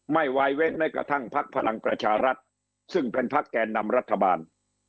ไม่ไว้ไว้ไม่กระทั่งภักดาลกระชารัติซึ่งเป็นภาคแก่นำรัฐบาล